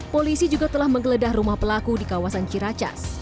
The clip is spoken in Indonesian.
polisi juga telah menggeledah rumah pelaku di kawasan ciracas